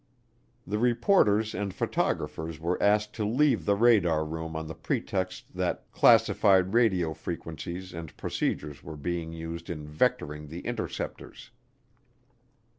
The reporters and photographers were asked to leave the radar room on the pretext that classified radio frequencies and procedures were being used in vectoring the interceptors.